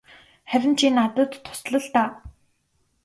Харин чи надад тусал л даа.